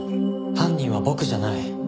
犯人は僕じゃない。